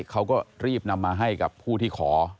เขาก็รีบนำมาให้กับผู้ที่ขอ